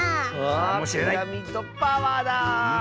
あピラミッドパワーだ！